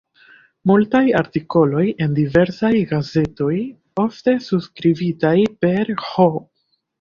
Multaj artikoloj en diversaj gazetoj, ofte subskribitaj per "H.